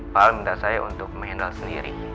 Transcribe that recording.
pak alam minta saya untuk mengendal sendiri